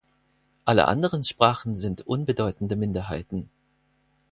Alle anderen Sprachen sind unbedeutende Minderheiten.